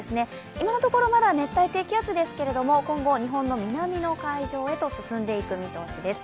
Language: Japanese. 今のところまだ熱帯低気圧ですけれども今後、日本の南の海上へと進んでいく見通しです。